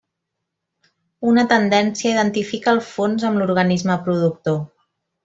Una tendència identifica el fons amb l'organisme productor.